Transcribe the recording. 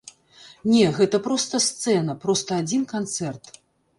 Не, гэта проста сцэна, проста адзін канцэрт.